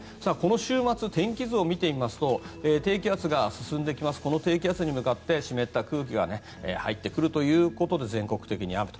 週末の天気図を見ますと低気圧が進んできてこの低気圧に向かって湿った空気が入ってくるということで全国的に雨。